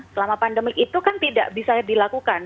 selama pandemi itu kan tidak bisa dilakukan